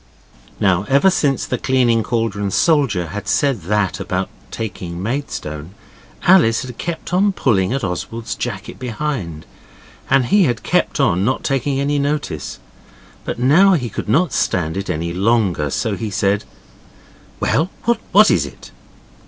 Now, ever since the cleaning cauldron soldier had said that about taking Maidstone, Alice had kept on pulling at Oswald's jacket behind, and he had kept on not taking any notice. But now he could not stand it any longer, so he said 'Well, what is it?